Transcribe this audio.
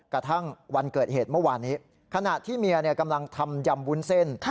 กระทั่งวันเกิดเหตุเมื่อวานนี้ขณะที่เมียกำลังทำยำวุ้นเส้น